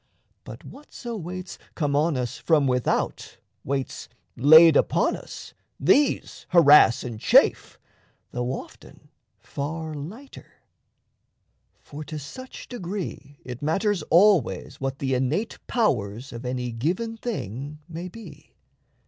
But whatso weights come on us from without, Weights laid upon us, these harass and chafe, Though often far lighter. For to such degree It matters always what the innate powers Of any given thing may be.